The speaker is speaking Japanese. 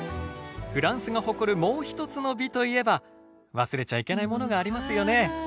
フランスが誇るもう一つの美といえば忘れちゃいけないものがありますよね。